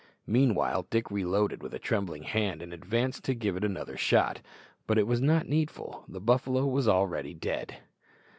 Meanwhile Dick reloaded with trembling hand, and advanced to give it another shot; but it was not needful the buffalo was already dead.